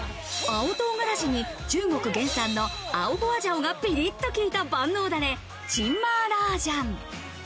青唐辛子に中国原産の青ホアジャオがピリッと効いた万能ダレ、チンマーラージャン。